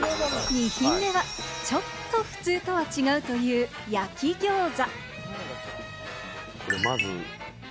２品目はちょっと普通とは違うという焼きギョーザ。